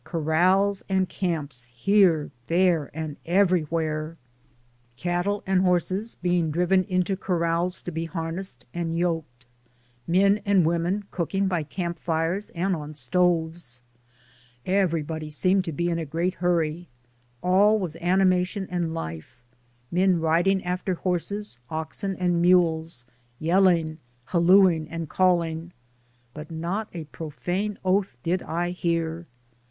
Corrals and camps here, there and DAYS ON THE ROAD. 127 everywhere. Cattle and horses being driven into corrals to be harnessed and yoked, men and women cooking by camp fires and on stoves, everybody seemed to be in a great hurry, all was animation and life, men riding after horses, oxen and mules; yelling, hal looing and calling, but not a profane oath did I hear.